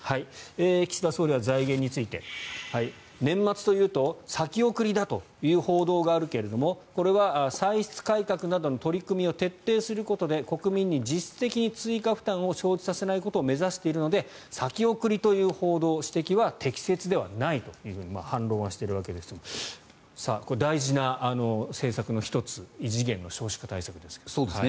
岸田総理は財源について年末というと先送りだという報道があるけれどもこれは歳出改革などの取り組みを徹底することで国民に実質的に追加負担を生じさせないことを目指しているので先送りという報道、指摘は適切ではないと反論しているわけですがこれは大事な政策の１つ異次元の少子化対策ですけれど。